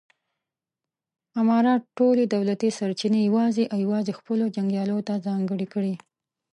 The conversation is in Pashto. امارت ټولې دولتي سرچینې یوازې او یوازې خپلو جنګیالیو ته ځانګړې کړې.